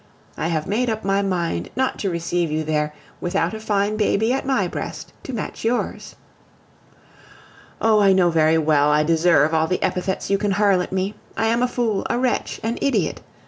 I have made up my mind not to receive you there without a fine baby at my breast to match yours. Oh! I know very well I deserve all the epithets you can hurl at me. I am a fool, a wretch, an idiot.